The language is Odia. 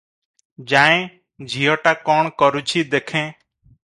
ଯାଏଁ ଝିଅଟା କ’ଣ କରୁଛି ଦେଖେଁ ।